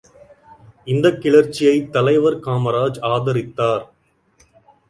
இந்தக் கிளர்ச்சியைத் தலைவர் காமராஜ் ஆதரித்தார்.